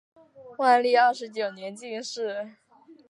万历二十九年进士。